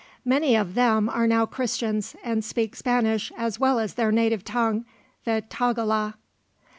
Many of them are now Christians, and speak Spanish as well as their native tongue, the Tagala.